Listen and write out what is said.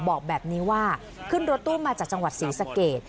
บอกแบบนี้ว่าขึ้นรถตู้มาจากจังหวัดศรีสะเกด